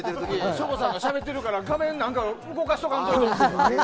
省吾さんがしゃべってるから何か動かしとかんとって。